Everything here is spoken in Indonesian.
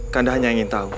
kanda hanya ingin tahu